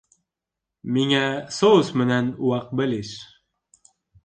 Миңә соус менән ваҡ бәлеш